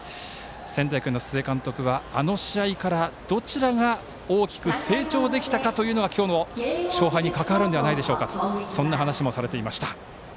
仙台育英の須江監督はあの試合から、どちらが大きく成長できたかというのが今日の勝敗に関わるのではないでしょうかとそんなお話もされていました。